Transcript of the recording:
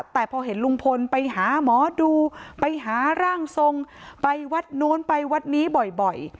แต่พอเห็นลุงพลไปหาหมอดูไปหาร่างทรงไปวัดโน้นไปวัดนี้บ่อย